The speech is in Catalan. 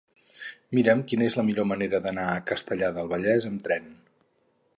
Mira'm quina és la millor manera d'anar a Castellar del Vallès amb tren.